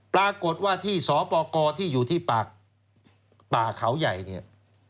ปรากฏว่าที่สปกที่อยู่ที่ป่าเขาใหญ่